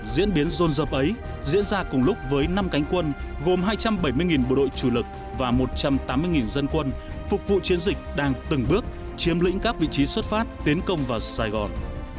diễn biến rôn rập ấy diễn ra cùng lúc với năm cánh quân gồm hai trăm bảy mươi bộ đội chủ lực và một trăm tám mươi dân quân phục vụ chiến dịch đang từng bước chiếm lĩnh các vị trí xuất phát tiến công vào sài gòn